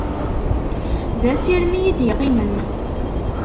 D asirem i yi-d yeqqimen.